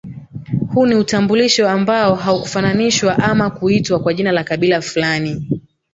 Huu ni utambulisho ambao haukufananishwa ama kuitwa kwa jina la kabila fulani